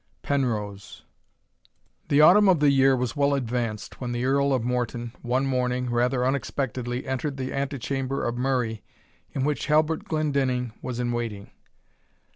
PENROSE. The autumn of the year was well advanced, when the Earl of Morton, one morning, rather unexpectedly, entered the antechamber of Murray, in which Halbert Glendinning was in waiting.